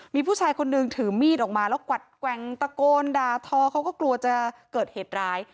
มีผู้ชายคนนึงถือมีดออกมาแล้วกวัดแกว่งตะโกนด่าทอเขาก็กลัวจะเกิดเหตุร้าย